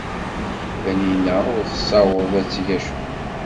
Taninna ur tessawaḍ ad teg acemma.